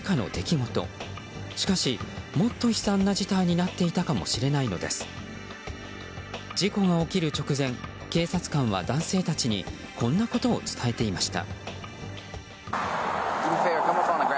事故が起きる直前警察官は男性たちにこんなことを伝えていました。